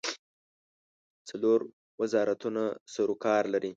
څلور وزارتونه سروکار لري.